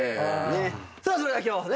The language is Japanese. さあそれでは今日はね